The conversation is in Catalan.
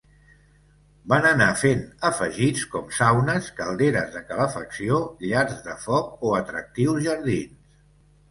Van anar fent afegits com saunes, calderes de calefacció, llars de foc o atractius jardins.